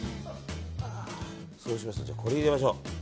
そうしましたらこれを入れましょう。